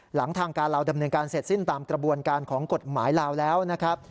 หลังทางการลาวดำเนินการเสร็จสิ้นตามกระบวนการของกฎหมายลาวแล้วนะครับ